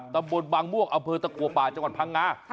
ตำบลบางม่วงอำเภอตะกัวป่าจังหวัดพังงา